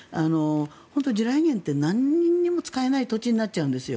地雷によって何にも使えない土地になっちゃうんですよ。